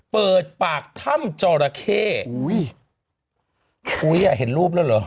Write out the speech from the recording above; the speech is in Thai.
เปิดปากถ้ำจอราเข้อุ้ยอุ้ยอ่ะเห็นรูปแล้วเหรอ